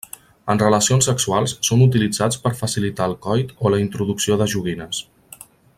En relacions sexuals són utilitzats per facilitar el coit o la introducció de joguines.